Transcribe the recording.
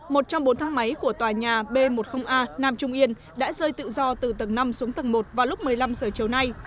một trong bốn thang máy của tòa nhà b một mươi a nam trung yên đã rơi tự do từ tầng năm xuống tầng một vào lúc một mươi năm giờ chiều nay